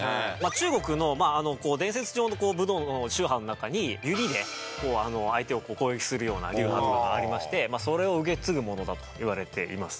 中国の伝説上の武道の宗派の中に指でこう相手を攻撃するような流派っていうのがありましてそれを受け継ぐものだといわれています。